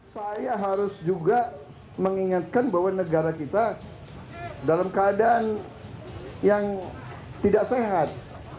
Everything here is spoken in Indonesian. saya harus juga mengingatkan bahwa negara kita dalam keadaan yang tidak sehat